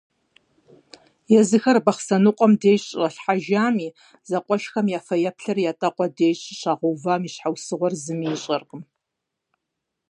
Езыхэр Бахъсэныкъуэм деж щыщӏалъхьэжами, зэкъуэшхэм я фэеплъыр Ятӏэкъуэ деж щӏыщагъэувам и щхьэусыгъуэр зыми ищӏэркъым.